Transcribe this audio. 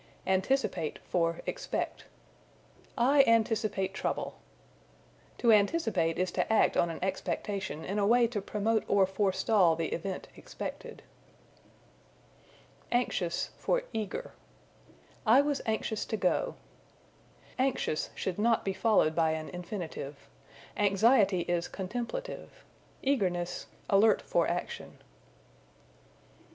Anticipate for Expect. "I anticipate trouble." To anticipate is to act on an expectation in a way to promote or forestall the event expected. Anxious for Eager. "I was anxious to go." Anxious should not be followed by an infinitive. Anxiety is contemplative; eagerness, alert for action.